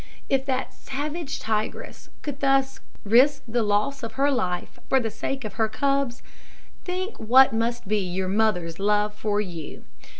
If that savage tigress could thus risk the loss of her life for the sake of her cubs, think what must be your mother's love for you.